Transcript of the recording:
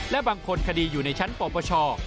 และบางคนคดีอยู่ในชั้นปปช